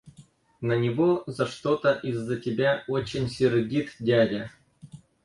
На него за что-то из-за тебя очень сердит дядя.